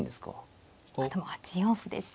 でも８四歩でしたね。